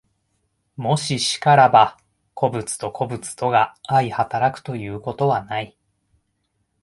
もし然らば、個物と個物とが相働くということはない。